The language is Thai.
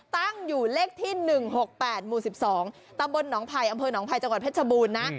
ตั้งอยู่เลขที่๑๖๘หมู่๑๒ตำบลหนองไผ่อำเภอหนองภัยจังหวัดเพชรบูรณ์นะ